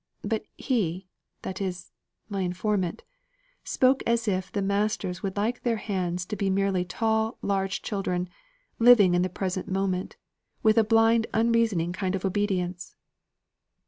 But he that is my informant spoke as if the masters would like their hands to be merely tall, large children living in the present moment with a blind unreasoning kind of obedience."